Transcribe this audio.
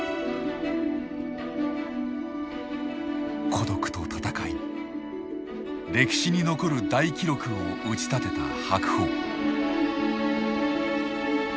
孤独と闘い歴史に残る大記録を打ち立てた白鵬。